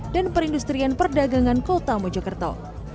dan perindustrian perdagangan kota mojokerto